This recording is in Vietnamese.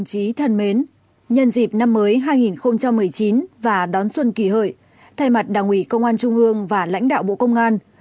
cảm ơn các bạn